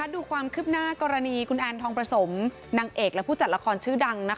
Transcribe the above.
ดูความคืบหน้ากรณีคุณแอนทองประสมนางเอกและผู้จัดละครชื่อดัง